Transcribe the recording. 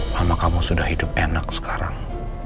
mama kamu sudah hidup enak sekarang